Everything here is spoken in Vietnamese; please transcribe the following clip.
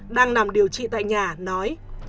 đang làm điều trị tại nhà nói